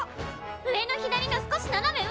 上の左の少しななめ上！